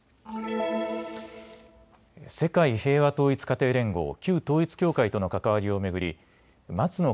世界平和統一家庭連合、旧統一教会との関わりを巡り松野